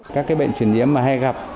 các cái bệnh chuyển nhiễm mà hay gặp